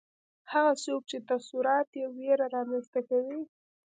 هغه څوک چې تصورات یې ویره رامنځته کوي